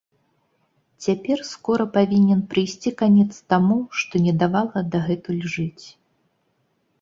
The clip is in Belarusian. Цяпер скора павінен прыйсці канец таму, што не давала дагэтуль жыць.